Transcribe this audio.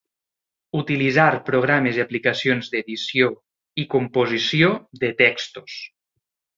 Utilitzar programes i aplicacions d'edició i composició de textos.